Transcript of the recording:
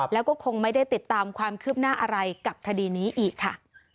แล้วก็คงไม่ได้ติดตามความคืบหน้าอะไรกับคดีนี้อีกค่ะ